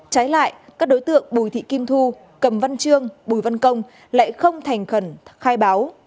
trái lại các đối tượng bùi thị kim thu cầm văn trương bùi văn công lại không thành khẩn khai báo